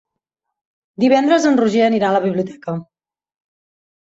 Divendres en Roger anirà a la biblioteca.